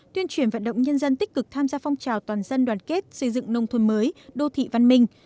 tuyên truyền vận động nhân dân tích cực tham gia phong trào toàn dân đoàn kết xây dựng nông thôn mới đô thị văn minh